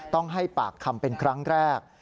ต้องให้ปากคำเป็นครั้งแรก